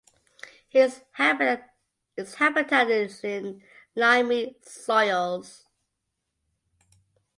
Its habitat is in limy soils.